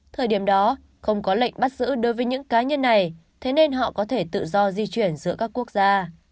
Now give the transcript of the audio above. thời điểm đó không có lệnh bắt giữ đối với những cá nhân này thế nên họ có thể tự do di chuyển giữa các quốc gia